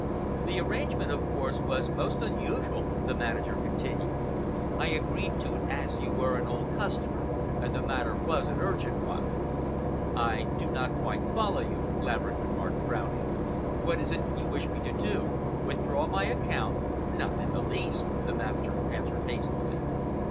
"The arrangement, of course, was most unusual," the manager continued. "I agreed to it as you were an old customer and the matter was an urgent one." "I do not quite follow you," Laverick remarked, frowning. "What is it you wish me to do? Withdraw my account?" "Not in the least," the manager answered hastily.